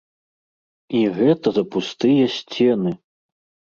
І гэта за пустыя сцены!